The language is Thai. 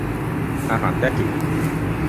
อาหารแต้จิ๋ว